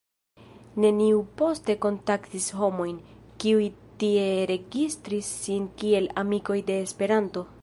Neniu poste kontaktis homojn, kiuj tie registris sin kiel ”amikoj de Esperanto”.